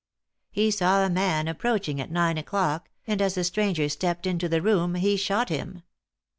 He saw a man approaching at nine o'clock, and as the stranger stepped into the room he shot him."